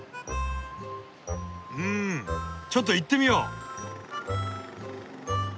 うんちょっと行ってみよう。